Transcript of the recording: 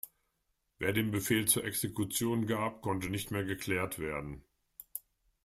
Wer den Befehl zur Exekution gab, konnte nicht mehr geklärt werden.